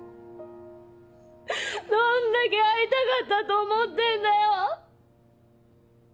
どんだけ会いたかったと思ってんだよ！